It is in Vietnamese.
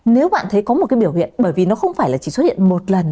nếu bạn thấy có một cái biểu hiện bởi vì nó không phải là chỉ xuất hiện một lần